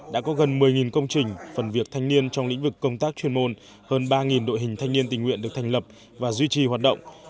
đã có gần một mươi công trình phần việc thanh niên trong lĩnh vực công tác chuyên môn hơn ba đội hình thanh niên tình nguyện được thành lập và duy trì hoạt động